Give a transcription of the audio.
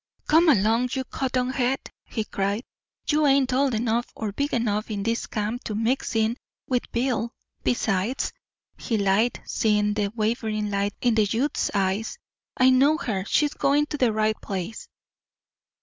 "Come along, you cotton head!" he cried. "You ain't old enough or big enough in this camp to mix in with Bill. Besides," he lied, seeing the wavering light in the youth's eyes, "I know her. She's going to the right place."